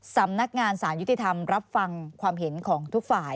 สำนักงานสารยุติธรรมรับฟังความเห็นของทุกฝ่าย